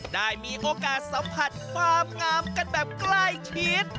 ได้มีโอกาสสัมผัสความงามกันแบบใกล้ชิด